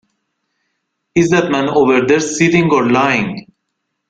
Is that man over there sitting or lying?